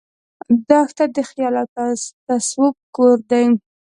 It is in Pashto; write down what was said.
دښته د خیال او تصوف کور دی.